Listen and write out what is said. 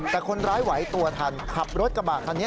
แต่คนร้ายไหวตัวทันขับรถกระบะคันนี้